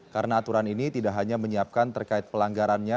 karena aturan ini tidak hanya menyiapkan terkait pelanggarannya